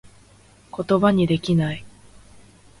ことばにできなぁい